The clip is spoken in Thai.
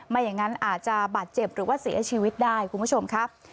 ไม่อย่างนั้นอาจจะบาดเจ็บหรือว่าเสียชีวิตได้คุณผู้ชมครับ